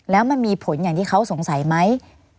แล้วมันมีผลอย่างที่เขาสงสัยไหม